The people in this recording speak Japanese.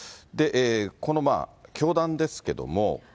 この教団ですけれども。